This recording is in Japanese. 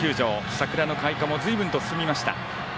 桜の開花もずいぶんと進みました。